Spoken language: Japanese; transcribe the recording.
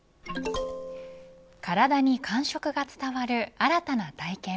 体に感触が伝わる新たな体験。